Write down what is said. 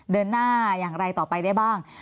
เดินหน้าอย่างไรต่อไปได้บ้าง